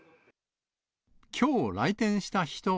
きょう来店した人は。